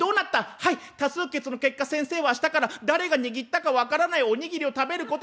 「はい多数決の結果先生は明日から誰が握ったか分からないお握りを食べることになりました」。